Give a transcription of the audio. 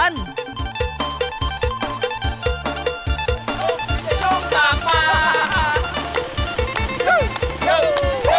สวัสดีค่ะ